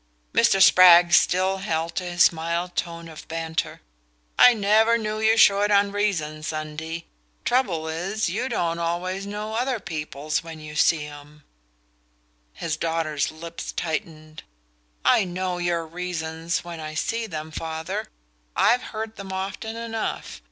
Mr. Spragg still held to his mild tone of banter. "I never knew you short on reasons, Undie. Trouble is you don't always know other people's when you see 'em." His daughter's lips tightened. "I know your reasons when I see them, father: I've heard them often enough.